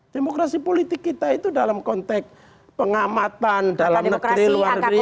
demokrasi politik kita itu dalam konteks pengamatan dalam negeri luar negeri